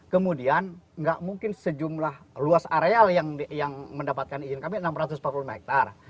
kemudian nggak mungkin sejumlah luas areal yang mendapatkan izin kami enam ratus empat puluh hektare